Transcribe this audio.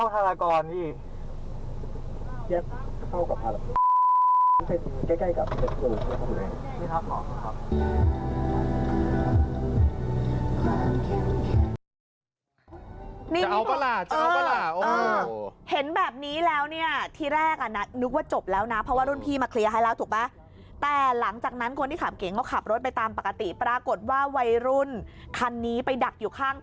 หินไปแล้วค่ะใส่รถเนี่ย